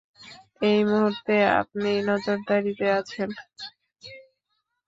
এই মুহুর্তে আপনি নজরদারিতে আছেন।